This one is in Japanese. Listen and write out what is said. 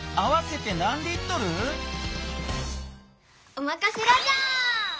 おまかせラジャー！